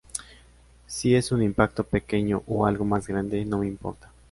Si es un impacto pequeño o algo más grande, no me importa.